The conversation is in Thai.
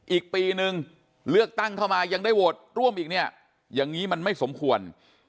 อีกปีนึงเลือกตั้งเข้ามายังได้โหวตร่วมอีกเนี่ยอย่างนี้มันไม่สมควร